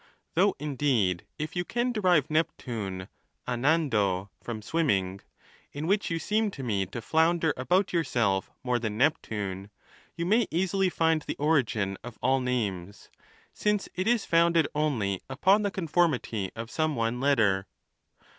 Though, in deed, if you can derive Neptune a nando, irom swimming, in which you seem to me to flounder about yourself more than Neptune, you may easily find the origin of all names, since it is founded only upon the conformity of some one letter.